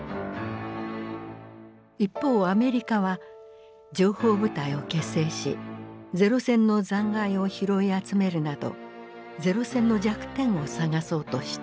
一方アメリカは情報部隊を結成し零戦の残骸を拾い集めるなど零戦の弱点を探そうとした。